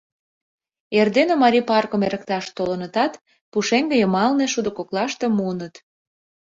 Эрдене Марий паркым эрыкташ толынытат, пушеҥге йымалне, шудо коклаште, муыныт.